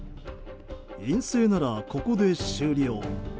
陰性なら、ここで終了。